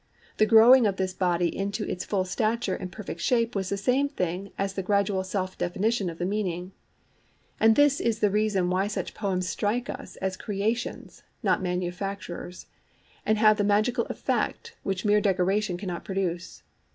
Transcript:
The growing of this body into its full stature and perfect shape was the same thing as the gradual self definition of the meaning. And this is the reason why such poems strike us as creations, not manufactures, and have the magical effect which mere decoration cannot produce.